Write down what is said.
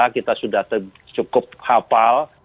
kita sudah cukup hafal